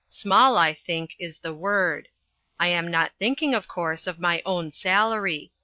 Small, I think, is the word. I am not thinking, of course, of my own salary.